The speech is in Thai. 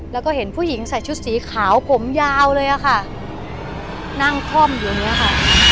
แล้วก็เห็นผู้หญิงใส่ชุดสีขาวผมยาวเลยอะค่ะนั่งคล่อมอยู่อย่างเงี้ยค่ะ